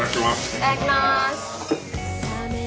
いただきます。